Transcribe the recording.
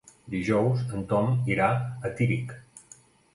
Dijous en Tom irà a Tírig.